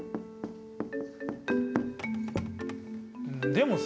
でもさ